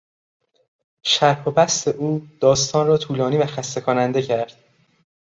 شرح و بسط او داستان را طولانی و خسته کننده کرد.